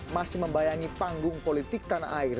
masih membayangi panggung politik tanah air